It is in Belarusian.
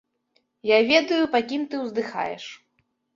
Я ведаю, па кім ты ўздыхаеш.